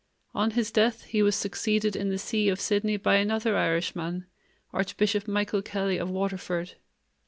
On his death he was succeeded in the see of Sydney by another Irishman, Archbishop Michael Kelly of Waterford.